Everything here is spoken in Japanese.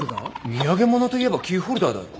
土産物といえばキーホルダーだろ。